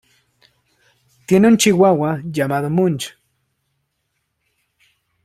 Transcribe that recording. Tiene un chihuahua llamado Munch.